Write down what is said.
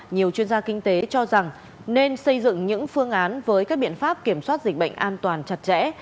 nhiều chuyên gia kinh tế cho rằng nên xây dựng những phương án với các biện pháp kiểm soát dịch bệnh an toàn chặt chẽ